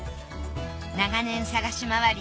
長年探し回り